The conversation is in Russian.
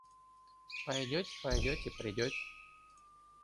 Пойдеть, пойдеть и придеть.